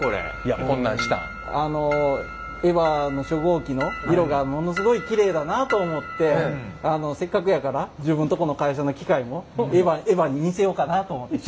あのＥＶＡの初号機の色がものすごいきれいだなと思ってせっかくやから自分とこの会社の機械もＥＶＡに似せようかなと思って。